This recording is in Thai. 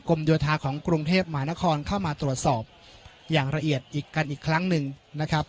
โยธาของกรุงเทพหมานครเข้ามาตรวจสอบอย่างละเอียดอีกกันอีกครั้งหนึ่งนะครับ